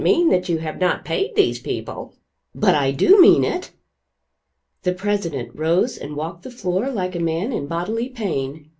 Oh bless my soul, you can't mean that you have not paid these people?" "But I do mean it!" The president rose and walked the floor like a man in bodily pain.